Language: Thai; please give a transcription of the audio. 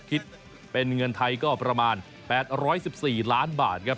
คิดเป็นเงินไทยก็ประมาณ๘๑๔ล้านบาทครับ